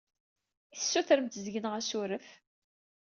I tessutremt seg-neɣ asaruf?